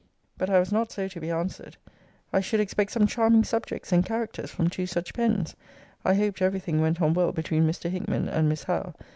But I was not so to be answered I should expect some charming subjects and characters from two such pens: I hoped every thing went on well between Mr. Hickman and Miss Howe.